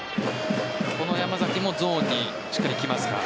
この山崎もゾーンにしっくりきますか？